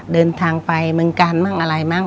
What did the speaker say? เดินทางไปเมืองกันบ้างอะไรบ้าง